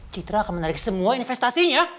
citra akan menarik semua investasinya